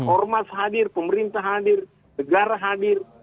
ormas hadir pemerintah hadir negara hadir